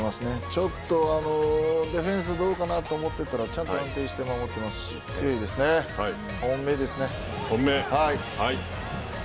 ちょっとディフェンスどうかなと思っていたらちゃんと安定して守ってますし本命、はい。